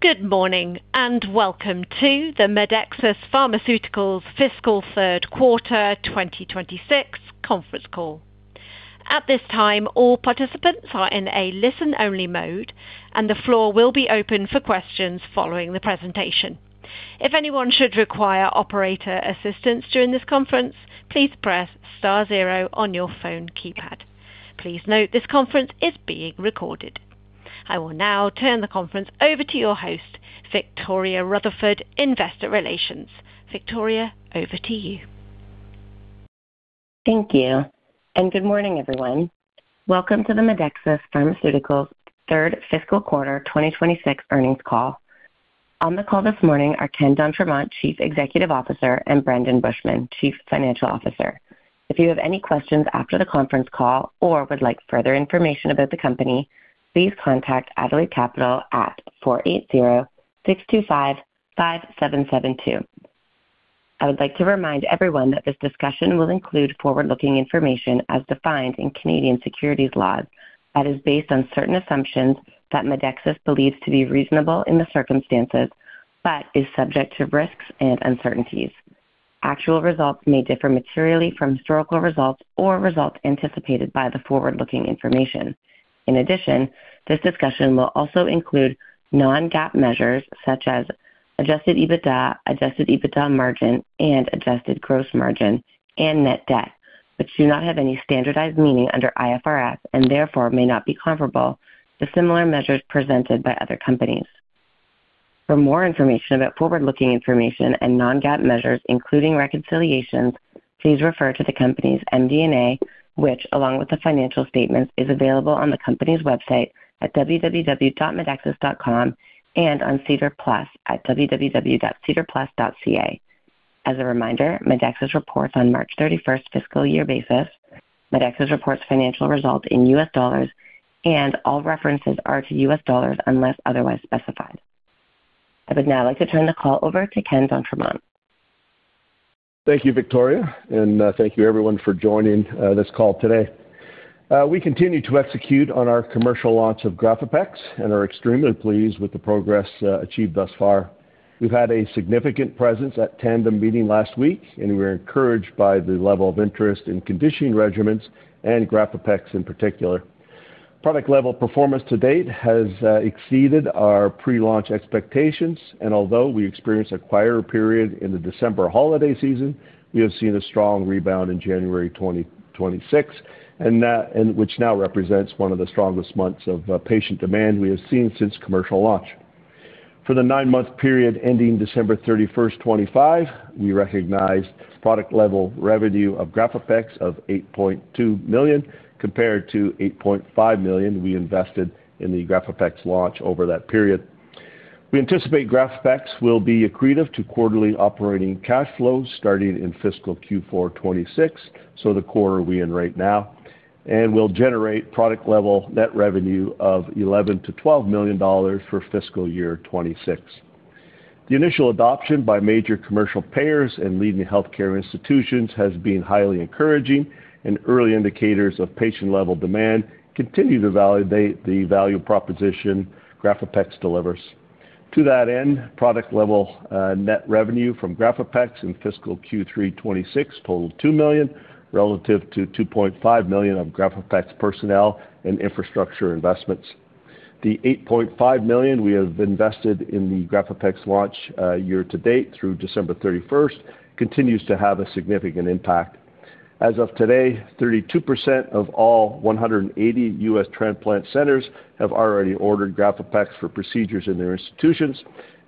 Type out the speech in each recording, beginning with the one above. Good morning, and welcome to the Medexus Pharmaceuticals Fiscal Third Quarter 2026 conference call. At this time, all participants are in a listen-only mode, and the floor will be open for questions following the presentation. If anyone should require operator assistance during this conference, please press star zero on your phone keypad. Please note, this conference is being recorded. I will now turn the conference over to your host, Victoria Rutherford, Investor Relations. Victoria, over to you. Thank you, and good morning, everyone. Welcome to the Medexus Pharmaceuticals Third Fiscal Quarter 2026 Earnings Call. On the call this morning are Ken d'Entremont, Chief Executive Officer, and Brendon Buschman, Chief Financial Officer. If you have any questions after the conference call or would like further information about the company, please contact Adelaide Capital at 480-625-5772. I would like to remind everyone that this discussion will include forward-looking information as defined in Canadian securities laws that is based on certain assumptions that Medexus believes to be reasonable in the circumstances, but is subject to risks and uncertainties. Actual results may differ materially from historical results or results anticipated by the forward-looking information. In addition, this discussion will also include non-GAAP measures such as Adjusted EBITDA, Adjusted EBITDA margin and adjusted gross margin and net debt, which do not have any standardized meaning under IFRS and therefore may not be comparable to similar measures presented by other companies. For more information about forward-looking information and non-GAAP measures, including reconciliations, please refer to the company's MD&A, which, along with the financial statements, is available on the company's website at www.medexus.com and on SEDAR+ at www.sedarplus.ca. As a reminder, Medexus reports on March 31st fiscal year basis. Medexus reports financial results in US dollars, and all references are to US dollars unless otherwise specified. I would now like to turn the call over to Ken d'Entremont. Thank you, Victoria, and thank you everyone for joining this call today. We continue to execute on our commercial launch of GRAFAPEX and are extremely pleased with the progress achieved thus far. We've had a significant presence at Tandem Meetings last week, and we are encouraged by the level of interest in conditioning regimens and GRAFAPEX in particular. Product level performance to date has exceeded our pre-launch expectations, and although we experienced a quieter period in the December holiday season, we have seen a strong rebound in January 2026, and that and which now represents one of the strongest months of patient demand we have seen since commercial launch. For the nine-month period ending December 31st, 2025, we recognized product level revenue of GRAFAPEX of $8.2 million, compared to $8.5 million we invested in the GRAFAPEX launch over that period. We anticipate GRAFAPEX will be accretive to quarterly operating cash flows starting in fiscal Q4 2026, so the quarter we're in right now, and will generate product level net revenue of $11 million-$12 million for fiscal year 2026. The initial adoption by major commercial payers and leading healthcare institutions has been highly encouraging, and early indicators of patient level demand continue to validate the value proposition GRAFAPEX delivers. To that end, product level net revenue from GRAFAPEX in fiscal Q3 2026 totaled $2 million, relative to $2.5 million of GRAFAPEX personnel and infrastructure investments. The $8.5 million we have invested in the GRAFAPEX launch year to date through December 31st continues to have a significant impact. As of today, 32% of all 180 U.S. transplant centers have already ordered GRAFAPEX for procedures in their institutions,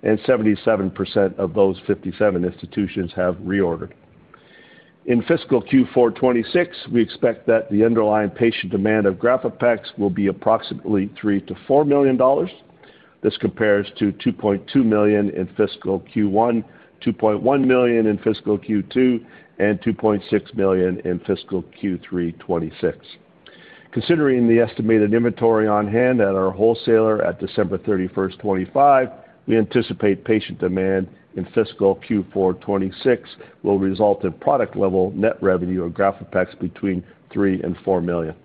and 77% of those 57 institutions have reordered. In fiscal Q4 2026, we expect that the underlying patient demand of GRAFAPEX will be approximately $3 million-$4 million. This compares to $2.2 million in fiscal Q1 2026, $2.1 million in fiscal Q2 2026, and $2.6 million in fiscal Q3 2026. Considering the estimated inventory on hand at our wholesaler at December 31st, 2025, we anticipate patient demand in fiscal Q4 2026 will result in product level net revenue of GRAFAPEX between $3 million-$4 million.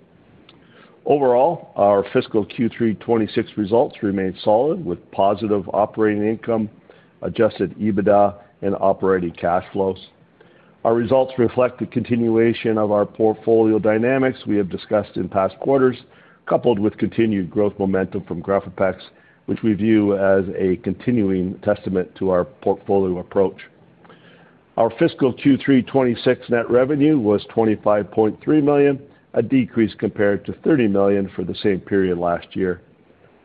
Overall, our fiscal Q3 2026 results remained solid, with positive operating income, Adjusted EBITDA and operating cash flows. Our results reflect the continuation of our portfolio dynamics we have discussed in past quarters, coupled with continued growth momentum from GRAFAPEX, which we view as a continuing testament to our portfolio approach. Our fiscal Q3 2026 net revenue was $25.3 million, a decrease compared to $30 million for the same period last year.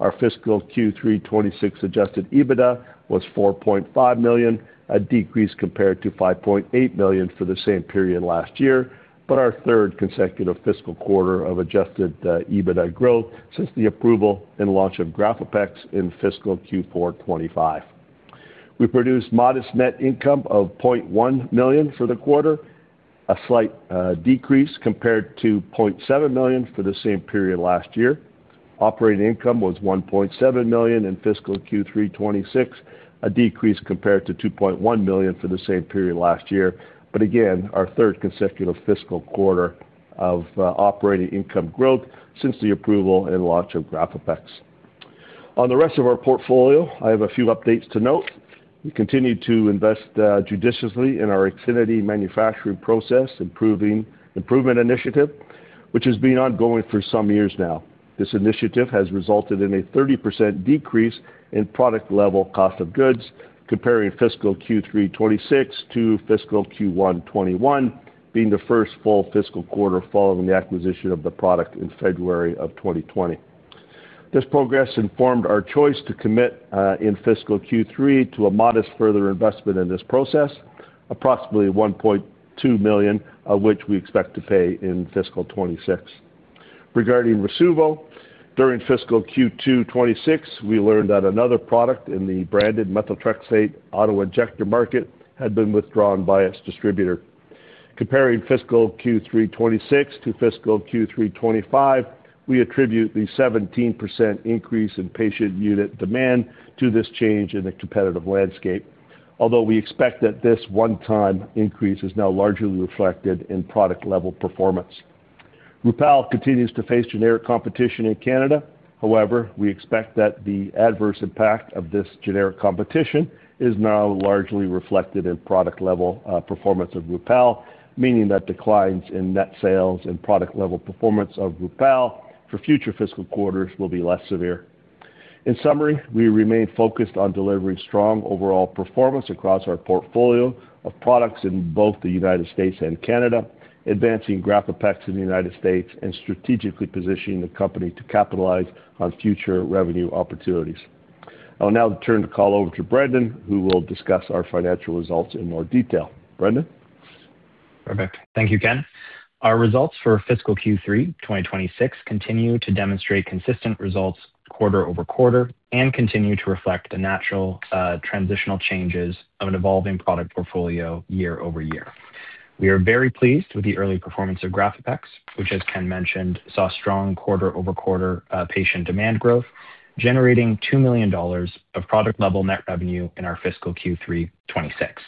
Our fiscal Q3 2026 adjusted EBITDA was $4.5 million, a decrease compared to $5.8 million for the same period last year, but our third consecutive fiscal quarter of adjusted EBITDA growth since the approval and launch of GRAFAPEX in fiscal Q4 2025. We produced modest net income of $0.1 million for the quarter, a slight decrease compared to $0.7 million for the same period last year. Operating income was $1.7 million in fiscal Q3 2026, a decrease compared to $2.1 million for the same period last year, but again, our third consecutive fiscal quarter of operating income growth since the approval and launch of GRAFAPEX. On the rest of our portfolio, I have a few updates to note. We continued to invest judiciously in our IXINITY manufacturing process improvement initiative, which has been ongoing for some years now. This initiative has resulted in a 30% decrease in product level cost of goods, comparing fiscal Q3 2026 to fiscal Q1 2021, being the first full fiscal quarter following the acquisition of the product in February of 2020. This progress informed our choice to commit in fiscal Q3 to a modest further investment in this process, approximately $1.2 million, of which we expect to pay in fiscal 2026. Regarding Rasuvo, during fiscal Q2 2026, we learned that another product in the branded methotrexate auto-injector market had been withdrawn by its distributor. Comparing fiscal Q3 2026 to fiscal Q3 2025, we attribute the 17% increase in patient unit demand to this change in the competitive landscape. Although we expect that this one-time increase is now largely reflected in product-level performance. Rupall continues to face generic competition in Canada. However, we expect that the adverse impact of this generic competition is now largely reflected in product-level performance of Rupall, meaning that declines in net sales and product-level performance of Rupall for future fiscal quarters will be less severe. In summary, we remain focused on delivering strong overall performance across our portfolio of products in both the United States and Canada, advancing GRAFAPEX in the United States, and strategically positioning the company to capitalize on future revenue opportunities. I will now turn the call over to Brendon, who will discuss our financial results in more detail. Brendon? Perfect. Thank you, Ken. Our results for fiscal Q3 2026 continue to demonstrate consistent results quarter-over-quarter and continue to reflect the natural, transitional changes of an evolving product portfolio year-over-year. We are very pleased with the early performance of GRAFAPEX, which, as Ken mentioned, saw strong quarter-over-quarter, patient demand growth, generating $2 million of product-level net revenue in our fiscal Q3 2026.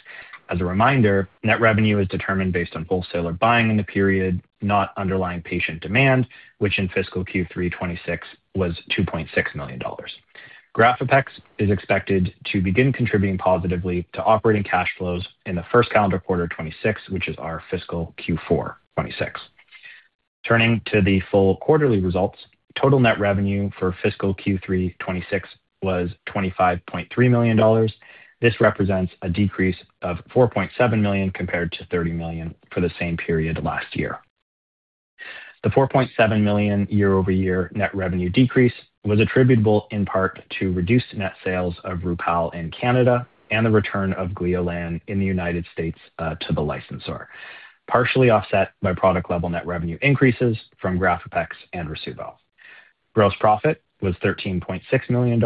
As a reminder, net revenue is determined based on wholesaler buying in the period, not underlying patient demand, which in fiscal Q3 2026 was $2.6 million. GRAFAPEX is expected to begin contributing positively to operating cash flows in the first calendar quarter of 2026, which is our fiscal Q4 2026. Turning to the full quarterly results, total net revenue for fiscal Q3 2026 was $25.3 million. This represents a decrease of $4.7 million compared to $30 million for the same period last year. The $4.7 million year-over-year net revenue decrease was attributable in part to reduced net sales of Rupall in Canada and the return of Gleolan in the United States to the licensor, partially offset by product-level net revenue increases from GRAFAPEX and Rasuvo. Gross profit was $13.6 million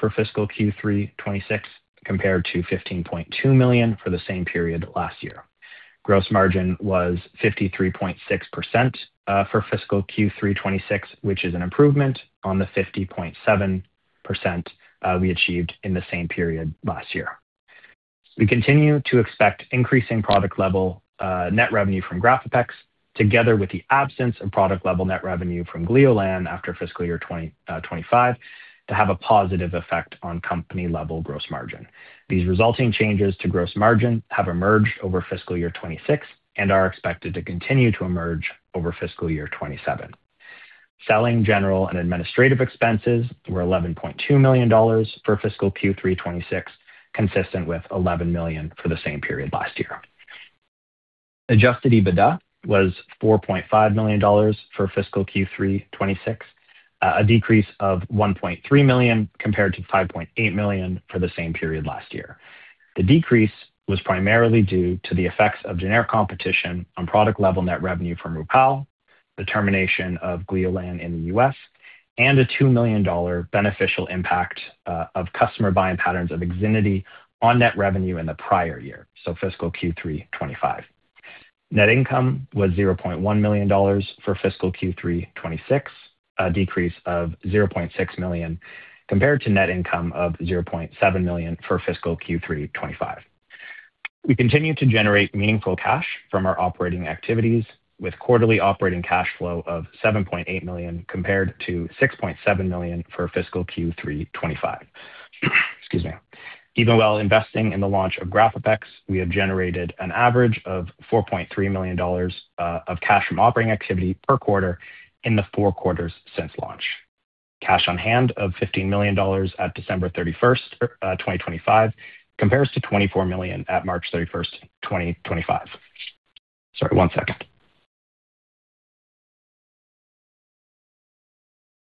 for fiscal Q3 2026, compared to $15.2 million for the same period last year. Gross margin was 53.6% for fiscal Q3 2026, which is an improvement on the 50.7% we achieved in the same period last year. We continue to expect increasing product-level net revenue from GRAFAPEX, together with the absence of product-level net revenue from Gleolan after fiscal year 2025, to have a positive effect on company-level gross margin. These resulting changes to gross margin have emerged over fiscal year 2026 and are expected to continue to emerge over fiscal year 2027. Selling general and administrative expenses were $11.2 million for fiscal Q3 2026, consistent with $11 million for the same period last year. Adjusted EBITDA was $4.5 million for fiscal Q3 2026, a decrease of $1.3 million compared to $5.8 million for the same period last year. The decrease was primarily due to the effects of generic competition on product-level net revenue from Rupall, the termination of Gleolan in the U.S., and a $2 million beneficial impact of customer buying patterns of IXINITY on net revenue in the prior year, so fiscal Q3 2025. Net income was $0.1 million for fiscal Q3 2026, a decrease of $0.6 million compared to net income of $0.7 million for fiscal Q3 2025. We continue to generate meaningful cash from our operating activities with quarterly operating cash flow of $7.8 million, compared to $6.7 million for fiscal Q3 2025. Excuse me. Even while investing in the launch of GRAFAPEX, we have generated an average of $4.3 million of cash from operating activity per quarter in the four quarters since launch. Cash on hand of $15 million at December 31st, 2025, compares to $24 million at March 31st, 2025. Sorry, one second.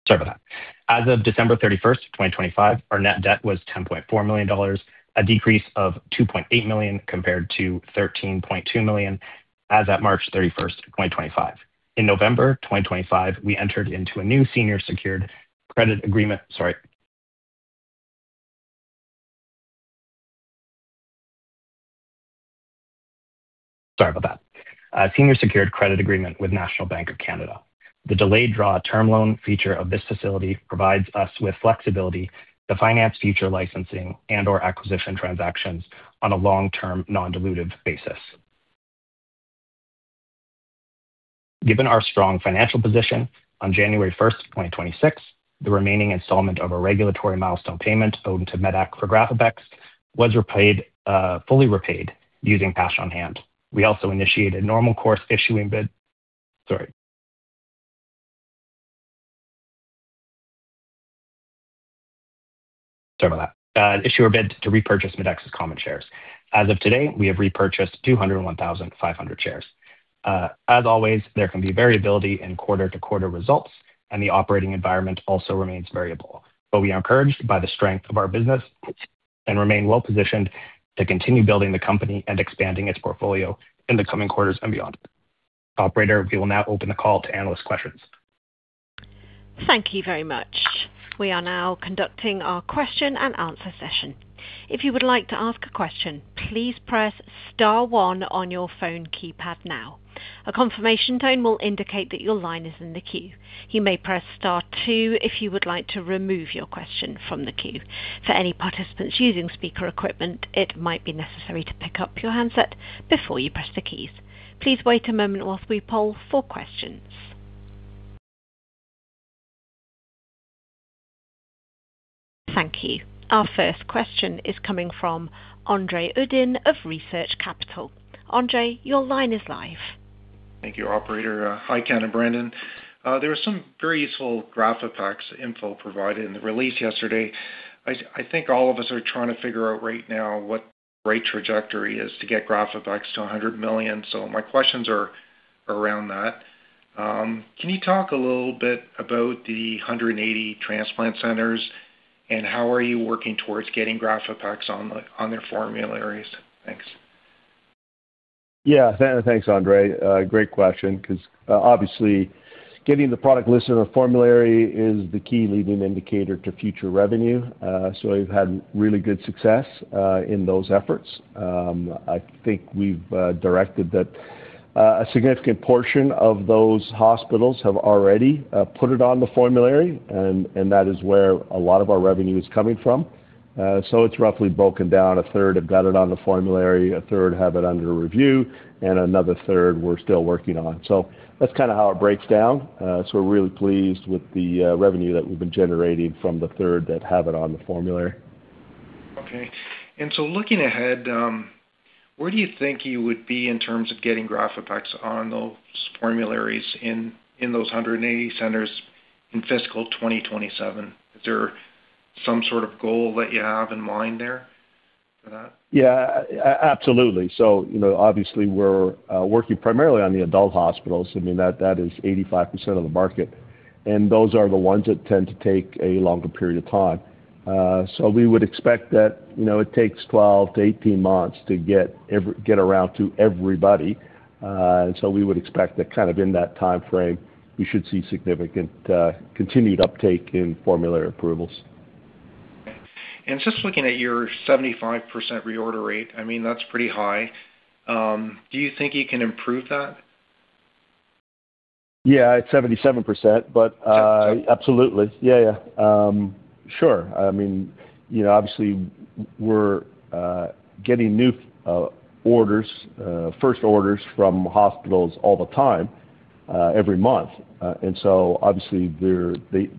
Sorry about that. As of December 31st, 2025, our net debt was $10.4 million, a decrease of $2.8 million compared to $13.2 million as at March 31st, 2025. In November 2025, we entered into a new senior secured credit agreement. Sorry. Sorry about that. A senior secured credit agreement with National Bank of Canada. The delayed draw term loan feature of this facility provides us with flexibility to finance future licensing and or acquisition transactions on a long-term, non-dilutive basis. Given our strong financial position, on January 1st, 2026, the remaining installment of a regulatory milestone payment owed to Medac for GRAFAPEX was repaid, fully repaid using cash on hand. We also initiated normal course issuer bid. Sorry. Sorry about that. issuer bid to repurchase Medexus's common shares. As of today, we have repurchased 201,500 shares. As always, there can be variability in quarter-to-quarter results, and the operating environment also remains variable. But we are encouraged by the strength of our business and remain well-positioned to continue building the company and expanding its portfolio in the coming quarters and beyond. Operator, we will now open the call to analyst questions. Thank you very much. We are now conducting our question and answer session. If you would like to ask a question, please press star one on your phone keypad now. A confirmation tone will indicate that your line is in the queue. You may press star two if you would like to remove your question from the queue. For any participants using speaker equipment, it might be necessary to pick up your handset before you press the keys. Please wait a moment while we poll for questions. Thank you. Our first question is coming from André Uddin of Research Capital. Andre, your line is live. Thank you, operator. Hi, Ken and Brendon. There was some very useful GRAFAPEX info provided in the release yesterday. I think all of us are trying to figure out right now what the right trajectory is to get GRAFAPEX to $100 million. So my questions are around that. Can you talk a little bit about the 180 transplant centers, and how are you working towards getting GRAFAPEX on their formularies? Thanks. Yeah, thanks, André. Great question, because obviously, getting the product listed on a formulary is the key leading indicator to future revenue. So we've had really good success in those efforts. I think we've directed that a significant portion of those hospitals have already put it on the formulary, and that is where a lot of our revenue is coming from. So it's roughly broken down. A third have got it on the formulary, a third have it under review, and another third we're still working on. So that's kind of how it breaks down. So we're really pleased with the revenue that we've been generating from the third that have it on the formulary. Okay. Looking ahead, where do you think you would be in terms of getting GRAFAPEX on those formularies in those 180 centers in fiscal 2027? Is there some sort of goal that you have in mind there for that? Yeah, absolutely. So you know, obviously we're working primarily on the adult hospitals. I mean, that is 85% of the market, and those are the ones that tend to take a longer period of time. So we would expect that, you know, it takes 12-18 months to get around to everybody. And so we would expect that kind of in that timeframe, we should see significant continued uptake in formulary approvals. Just looking at your 75% reorder rate, I mean, that's pretty high. Do you think you can improve that? Yeah, it's 77%, but, absolutely. Yeah, yeah. Sure. I mean, you know, obviously we're getting new orders, first orders from hospitals all the time, every month. And so obviously, they're, they,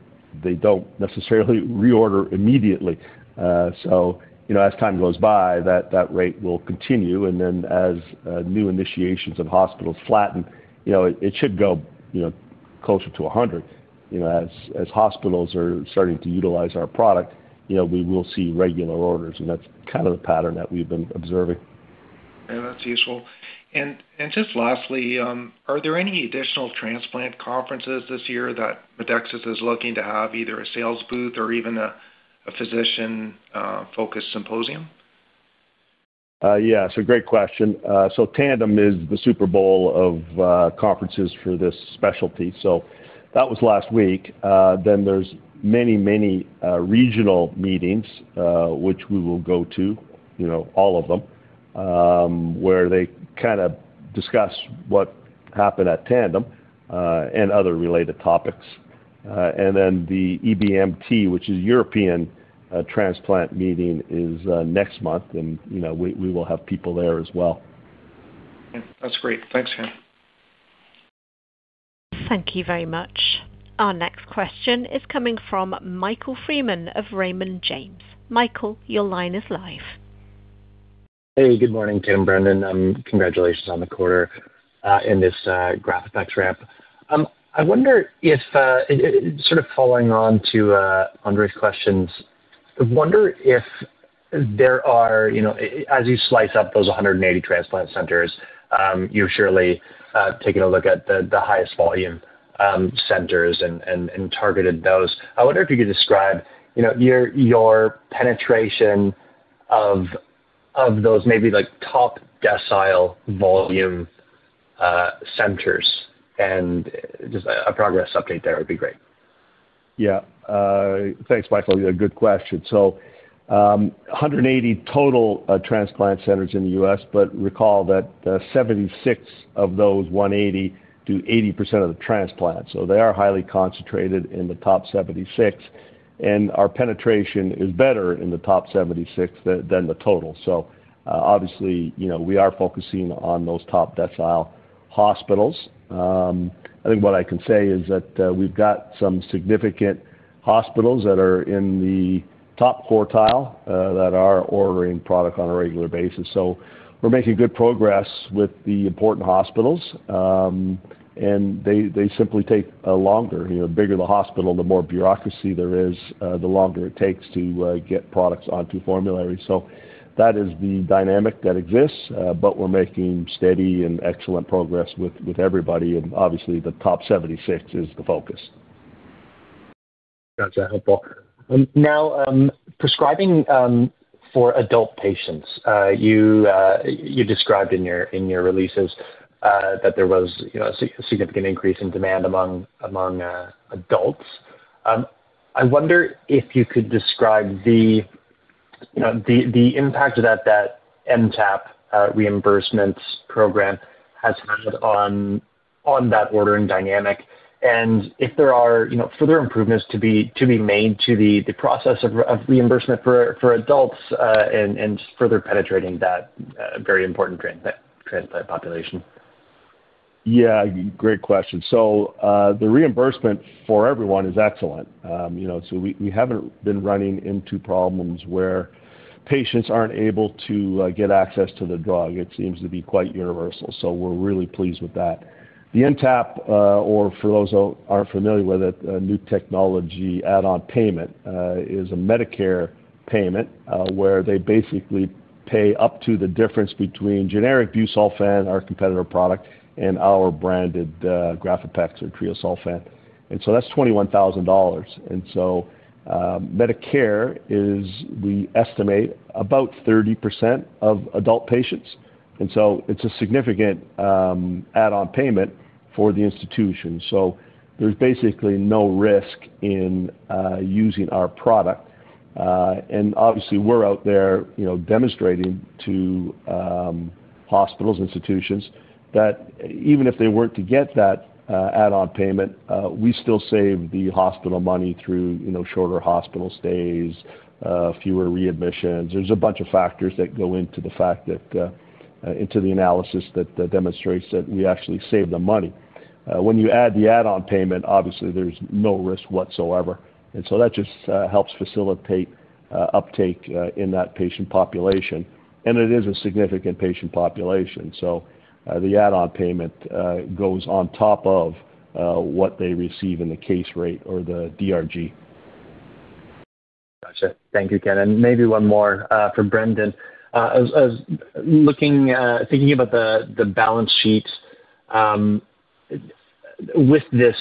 they don't necessarily reorder immediately. So, you know, as time goes by, that, that rate will continue, and then as new initiations of hospitals flatten, you know, it should go, you know, closer to 100. You know, as, as hospitals are starting to utilize our product, you know, we will see regular orders, and that's kind of the pattern that we've been observing. Yeah, that's useful. And just lastly, are there any additional transplant conferences this year that Medexus is looking to have, either a sales booth or even a physician focused symposium? Yeah, it's a great question. So Tandem is the Super Bowl of conferences for this specialty. So that was last week. Then there's many, many regional meetings, which we will go to, you know, all of them, where they kind of discuss what happened at Tandem, and other related topics. And then the EBMT, which is European Transplant Meeting, is next month, and, you know, we will have people there as well. That's great. Thanks, Ken. Thank you very much. Our next question is coming from Michael Freeman of Raymond James. Michael, your line is live. Hey, good morning, Tim, Brendan. Congratulations on the quarter, and this, GRAFAPEX ramp. I wonder if, sort of following on to, Andre's questions, I wonder if there are, you know, as you slice up those 180 transplant centers, you're surely, taking a look at the highest volume, centers and targeted those. I wonder if you could describe, you know, your penetration of those maybe like top decile volume, centers, and just a progress update there would be great.... Yeah, thanks, Michael. Yeah, good question. So, 180 total transplant centers in the U.S., but recall that the 76 of those 180 do 80% of the transplants, so they are highly concentrated in the top 76, and our penetration is better in the top 76 than the total. So, obviously, you know, we are focusing on those top decile hospitals. I think what I can say is that we've got some significant hospitals that are in the top quartile that are ordering product on a regular basis. So we're making good progress with the important hospitals, and they simply take longer. You know, the bigger the hospital, the more bureaucracy there is, the longer it takes to get products onto formulary. So that is the dynamic that exists, but we're making steady and excellent progress with everybody, and obviously, the top 76 is the focus. Gotcha, helpful. Now, prescribing for adult patients, you described in your releases that there was, you know, a significant increase in demand among adults. I wonder if you could describe the, you know, the impact that that NTAP reimbursements program has had on that ordering dynamic, and if there are, you know, further improvements to be made to the process of reimbursement for adults, and further penetrating that very important transplant population. Yeah, great question. So, the reimbursement for everyone is excellent. You know, so we, we haven't been running into problems where patients aren't able to get access to the drug. It seems to be quite universal, so we're really pleased with that. The NTAP, or for those who aren't familiar with it, a new technology add-on payment, is a Medicare payment, where they basically pay up to the difference between generic Busulfan, our competitor product, and our branded GRAFAPEX or Treosulfan. And so that's $21,000. And so, Medicare is, we estimate, about 30% of adult patients, and so it's a significant add-on payment for the institution. So there's basically no risk in using our product. And obviously, we're out there, you know, demonstrating to hospitals, institutions, that even if they weren't to get that add-on payment, we still save the hospital money through, you know, shorter hospital stays, fewer readmissions. There's a bunch of factors that go into the fact that into the analysis that demonstrates that we actually save them money. When you add the add-on payment, obviously there's no risk whatsoever, and so that just helps facilitate uptake in that patient population, and it is a significant patient population. So, the add-on payment goes on top of what they receive in the case rate or the DRG. Gotcha. Thank you, Ken, and maybe one more for Brendon. As looking, thinking about the balance sheet, with this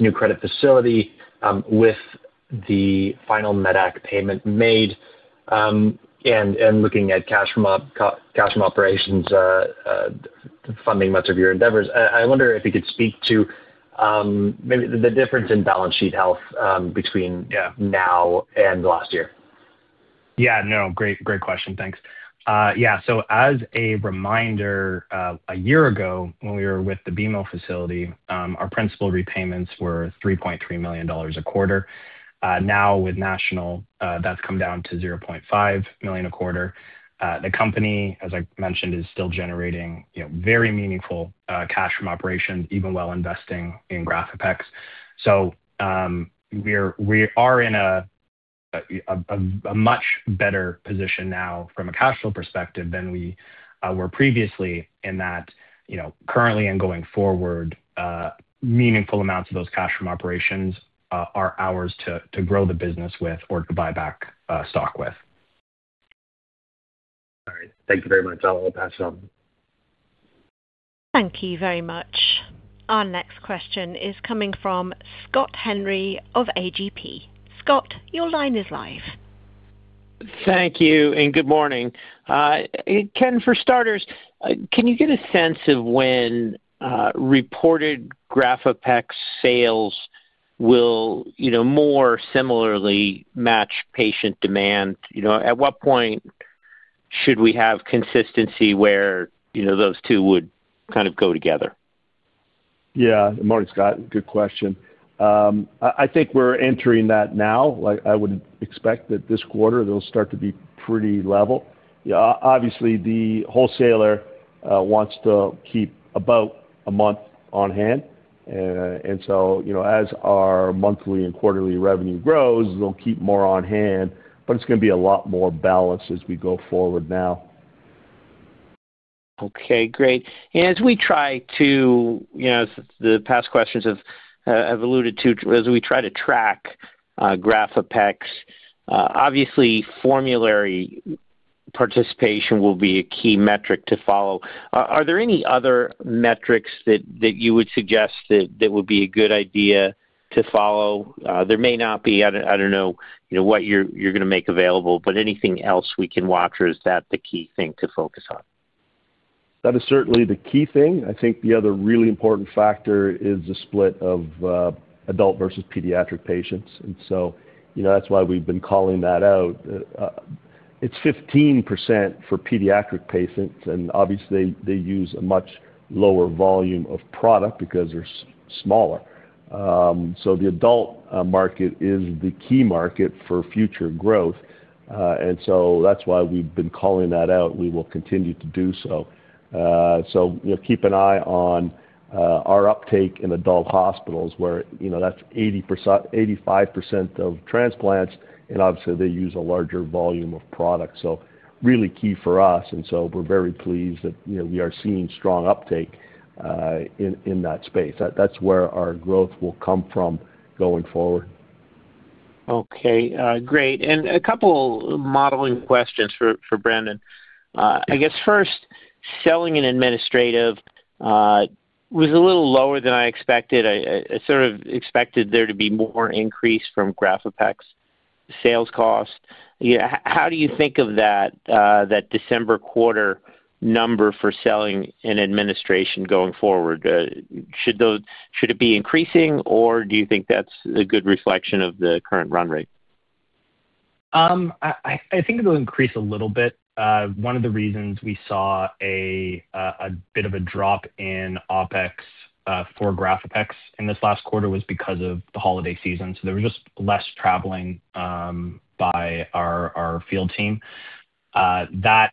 new credit facility, with the final Medac payment made, and looking at cash from operations, funding much of your endeavors, I wonder if you could speak to maybe the difference in balance sheet health, between- Yeah... now and last year. Yeah, no, great, great question. Thanks. Yeah, so as a reminder, a year ago, when we were with the BMO facility, our principal repayments were $3.3 million a quarter. Now with National, that's come down to $0.5 million a quarter. The company, as I mentioned, is still generating, you know, very meaningful cash from operations, even while investing in GRAFAPEX. So, we're, we are in a much better position now from a cash flow perspective than we were previously in that, you know, currently and going forward, meaningful amounts of those cash from operations are ours to grow the business with or to buy back stock with. All right. Thank you very much. I'll pass on. Thank you very much. Our next question is coming from Scott Henry of AGP. Scott, your line is live. Thank you, and good morning. Ken, for starters, can you get a sense of when reported GRAFAPEX sales will, you know, more similarly match patient demand? You know, at what point should we have consistency where, you know, those two would kind of go together? Yeah. Morning, Scott. Good question. I think we're entering that now. Like, I would expect that this quarter they'll start to be pretty level. Yeah, obviously, the wholesaler wants to keep about a month on hand. And so, you know, as our monthly and quarterly revenue grows, they'll keep more on hand, but it's gonna be a lot more balanced as we go forward now. Okay, great. And as we try to, you know, as the past questions have alluded to, as we try to track GRAFAPEX, obviously formulary participation will be a key metric to follow. Are there any other metrics that you would suggest that would be a good idea to follow? There may not be. I don't know, you know, what you're gonna make available, but anything else we can watch, or is that the key thing to focus on?... That is certainly the key thing. I think the other really important factor is the split of adult versus pediatric patients. And so, you know, that's why we've been calling that out. It's 15% for pediatric patients, and obviously they use a much lower volume of product because they're smaller. So the adult market is the key market for future growth. And so that's why we've been calling that out. We will continue to do so. So we'll keep an eye on our uptake in adult hospitals, where, you know, that's 80%-85% of transplants, and obviously they use a larger volume of products, so really key for us. And so we're very pleased that, you know, we are seeing strong uptake in that space. That's where our growth will come from going forward. Okay, great. And a couple modeling questions for Brendon. I guess first, selling and administrative was a little lower than I expected. I sort of expected there to be more increase from GRAFAPEX sales costs. Yeah, how do you think of that December quarter number for selling and administration going forward? Should it be increasing, or do you think that's a good reflection of the current run rate? I think it'll increase a little bit. One of the reasons we saw a bit of a drop in OpEx for GRAFAPEX in this last quarter was because of the holiday season. So there was just less traveling by our field team. That'll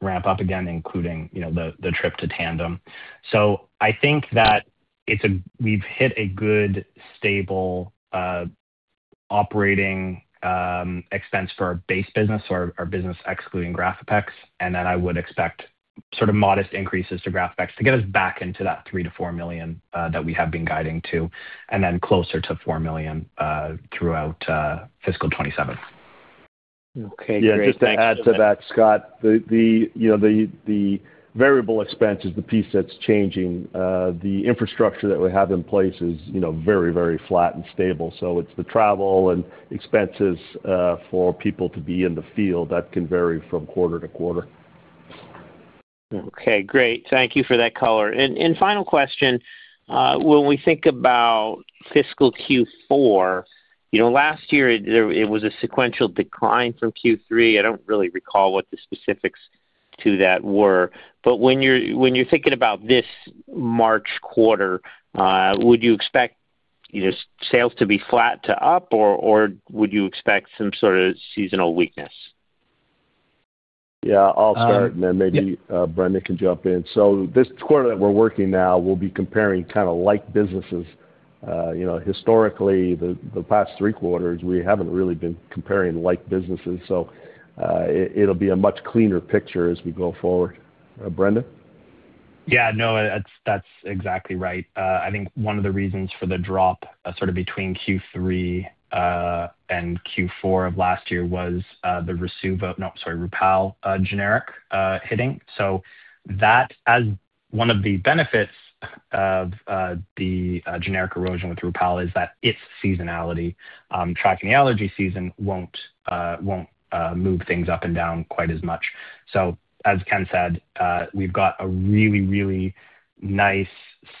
ramp up again, including, you know, the trip to Tandem. So I think that it's a—we've hit a good, stable operating expense for our base business or our business excluding GRAFAPEX. And then I would expect sort of modest increases to GRAFAPEX to get us back into that $3 million-$4 million that we have been guiding to, and then closer to $4 million throughout fiscal 2027. Okay, great. Yeah, just to add to that, Scott, the variable expense is the piece that's changing. The infrastructure that we have in place is, you know, very, very flat and stable. So it's the travel and expenses for people to be in the field that can vary from quarter to quarter. Okay, great. Thank you for that color. And final question, when we think about fiscal Q4, you know, last year it was a sequential decline from Q3. I don't really recall what the specifics to that were, but when you're thinking about this March quarter, would you expect, you know, sales to be flat to up, or would you expect some sort of seasonal weakness? Yeah, I'll start, and then maybe, Brendon can jump in. So this quarter that we're working now will be comparing kind of like businesses. You know, historically, the past three quarters, we haven't really been comparing like businesses. So, it'll be a much cleaner picture as we go forward. Brendon? Yeah, no, that's, that's exactly right. I think one of the reasons for the drop, sort of between Q3 and Q4 of last year was the Rasuvo- no, sorry, Rupall generic hitting. So that as one of the benefits of the generic erosion with Rupall is that it's seasonality. Tracking allergy season won't move things up and down quite as much. So as Ken said, we've got a really, really nice,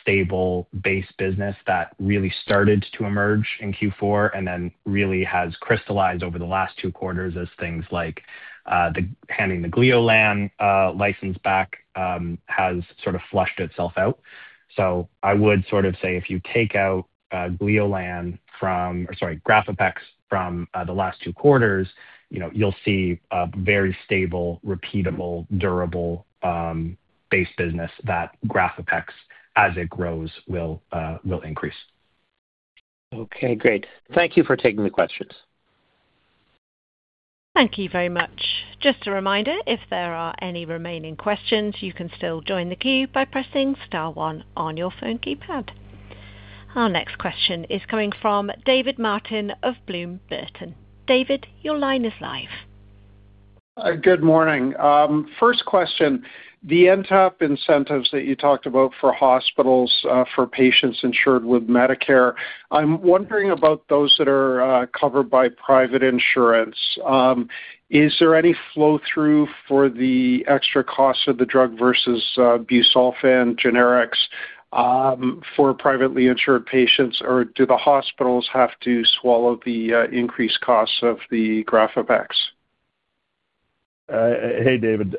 stable base business that really started to emerge in Q4 and then really has crystallized over the last two quarters as things like the handing the Gleolan license back has sort of flushed itself out. So I would sort of say if you take out Gleolan from, or sorry, GRAFAPEX from, the last two quarters, you know, you'll see a very stable, repeatable, durable base business that GRAFAPEX, as it grows, will increase. Okay, great. Thank you for taking the questions. Thank you very much. Just a reminder, if there are any remaining questions, you can still join the queue by pressing star one on your phone keypad. Our next question is coming from David Martin of Bloom Burton. David, your line is live. Good morning. First question, the NTAP incentives that you talked about for hospitals, for patients insured with Medicare, I'm wondering about those that are covered by private insurance. Is there any flow-through for the extra cost of the drug versus Busulfan generics, for privately insured patients, or do the hospitals have to swallow the increased costs of the GRAFAPEX? Hey, David.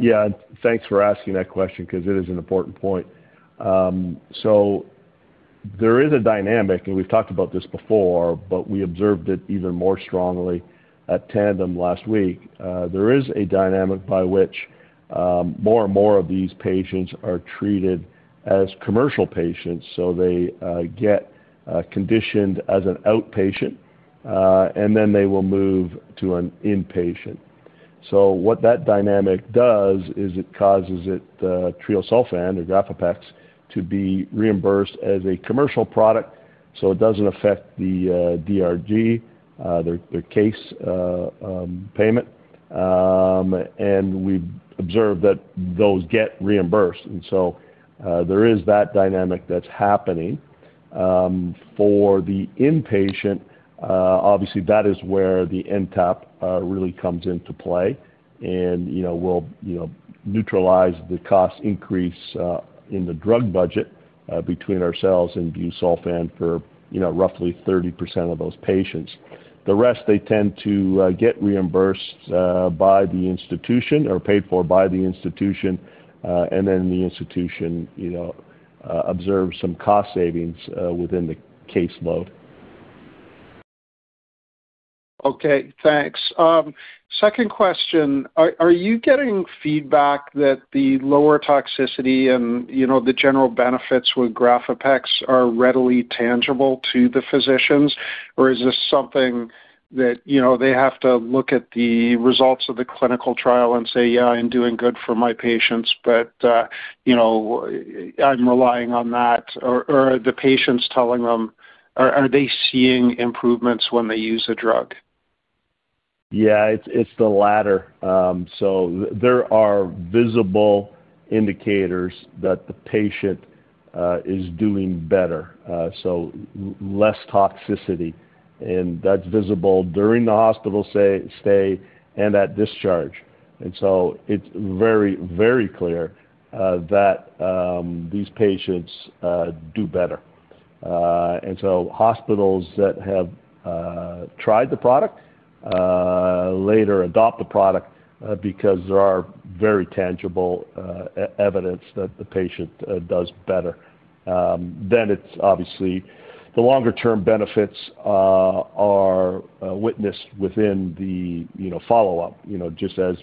Yeah, thanks for asking that question because it is an important point. So there is a dynamic, and we've talked about this before, but we observed it even more strongly at Tandem last week. There is a dynamic by which more and more of these patients are treated as commercial patients, so they get conditioned as an outpatient, and then they will move to an inpatient. So what that dynamic does is it causes it, Treosulfan or GRAFAPEX, to be reimbursed as a commercial product, so it doesn't affect the DRG, their case payment. And we've observed that those get reimbursed, and so there is that dynamic that's happening. For the inpatient, obviously, that is where the NTAP really comes into play, and, you know, we'll neutralize the cost increase in the drug budget between ourselves and Busulfan for, you know, roughly 30% of those patients. The rest, they tend to get reimbursed by the institution or paid for by the institution, and then the institution, you know, observes some cost savings within the caseload. Okay, thanks. Second question, are you getting feedback that the lower toxicity and, you know, the general benefits with GRAFAPEX are readily tangible to the physicians? Or is this something that, you know, they have to look at the results of the clinical trial and say, "Yeah, I'm doing good for my patients, but, you know, I'm relying on that," or the patients telling them, are they seeing improvements when they use the drug? Yeah, it's the latter. So there are visible indicators that the patient is doing better, so less toxicity, and that's visible during the hospital stay and at discharge. And so it's very clear that these patients do better. And so hospitals that have tried the product later adopt the product because there are very tangible evidence that the patient does better. Then it's obviously the longer-term benefits are witnessed within the, you know, follow-up, you know, just as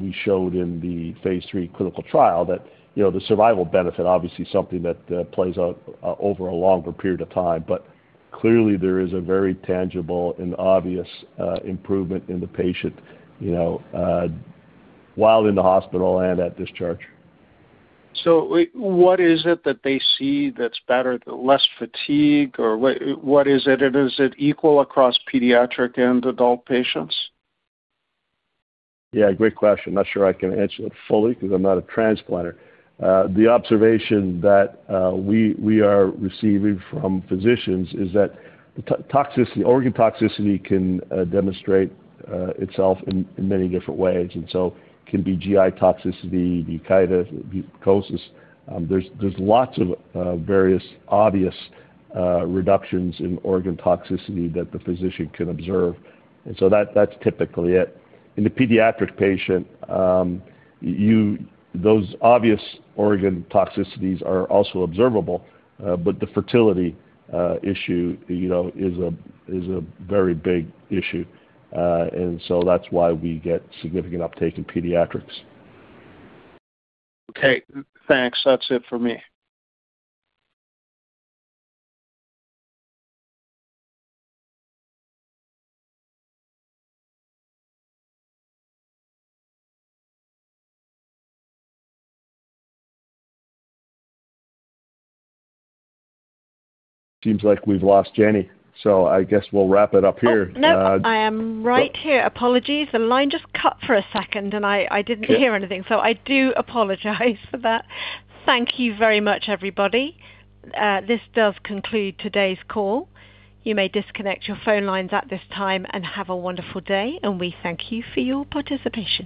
we showed in the phase III clinical trial, that, you know, the survival benefit, obviously, something that plays out over a longer period of time. But clearly, there is a very tangible and obvious improvement in the patient, you know, while in the hospital and at discharge. So wait, what is it that they see that's better, less fatigue? Or what, what is it, and is it equal across pediatric and adult patients? Yeah, great question. Not sure I can answer it fully because I'm not a transplanter. The observation that we are receiving from physicians is that toxicity, organ toxicity can demonstrate itself in many different ways, and so can be GI toxicity, decreased mucositis. There's lots of various obvious reductions in organ toxicity that the physician can observe, and so that's typically it. In the pediatric patient, you -- those obvious organ toxicities are also observable, but the fertility issue, you know, is a very big issue, and so that's why we get significant uptake in pediatrics. Okay, thanks. That's it for me. Seems like we've lost Jenny, so I guess we'll wrap it up here. Oh, nope. I am right here. Apologies. The line just cut for a second, and I, I didn't- Sure. - hear anything, so I do apologize for that. Thank you very much, everybody. This does conclude today's call. You may disconnect your phone lines at this time and have a wonderful day, and we thank you for your participation.